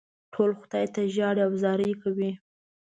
ټول خدای ته ژاړي او زارۍ کوي.